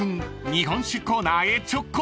日本酒コーナーへ直行］